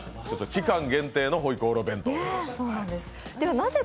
期間限定の回鍋肉弁当です。